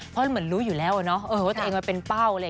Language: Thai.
เพราะเหมือนรู้อยู่แล้วอะเนาะว่าตัวเองมันเป็นเป้าอะไร